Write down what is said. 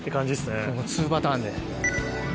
２パターンで。